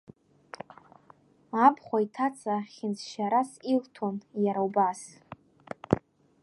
Абхәа иҭаца хьыӡшьарас илҭон, иара убас…